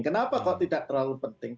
kenapa kok tidak terlalu penting